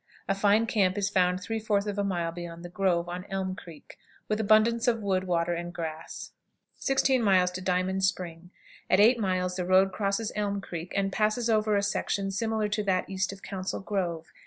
A fine camp is found three fourths of a mile beyond the "Grove," on Elm Creek, with abundance of wood, water, and grass. 16. Diamond Spring. At eight miles the road crosses Elm Creek, and passes over a section similar to that east of Council Grove.